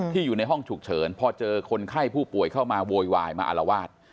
อยู่ในห้องฉุกเฉินพอเจอคนไข้ผู้ป่วยเข้ามาโวยวายมาอารวาส